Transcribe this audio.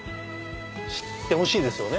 知ってほしいですよね？